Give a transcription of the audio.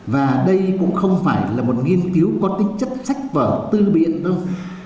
và đây cũng không phải là một nghiên cứu có tính chất sách vở tư biện đâu